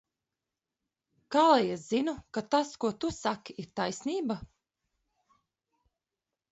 Kā lai es zinu, ka tas ka tu saki ir taisnība?